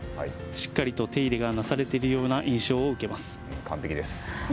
しっかりと手入れがなされているような印象があります。